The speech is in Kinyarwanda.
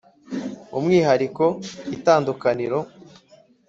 umwihariko: itandukaniro.